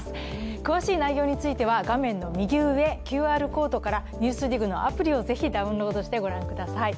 詳しい内容については画面の右上、ＱＲコードから「ＮＥＷＳＤＩＧ」のアプリをダウンロードしてご覧ください。